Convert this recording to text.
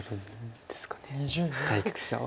対局者は。